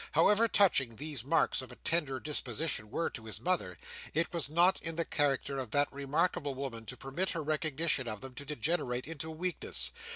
However touching these marks of a tender disposition were to his mother, it was not in the character of that remarkable woman to permit her recognition of them to degenerate into weakness.